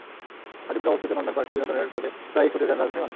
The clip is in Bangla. গাজীপুরে অবস্থিত নন্দন পার্কেও বিনোদনের খোঁজে প্রায়ই ছুটে যান রাজধানীর মানুষ।